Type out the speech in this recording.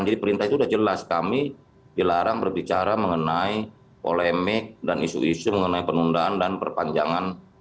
jadi perintah itu sudah jelas kami dilarang berbicara mengenai polemik dan isu isu mengenai penundaan dan perpanjangan